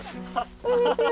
こんにちは。